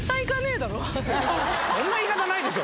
そんな言い方ないでしょ